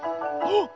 あっ！